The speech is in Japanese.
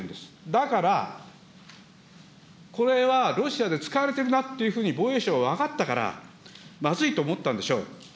だから、これはロシアで使われてるなっていうふうに防衛省は分かったから、まずいと思ったんでしょう。